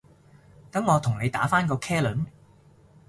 等我同你打返個茄輪